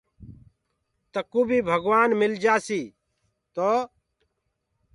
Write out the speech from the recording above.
تڪو بي ڀگوآن مِلجآسيٚ تو